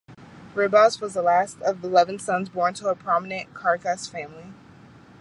Ribas was the last of eleven sons, born to a prominent Caracas family.